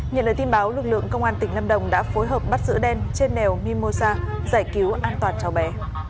nhận lời tin báo lực lượng công an tỉnh lâm đồng đã phối hợp bắt giữ đen trên đèo mimosa giải cứu an toàn cháu bé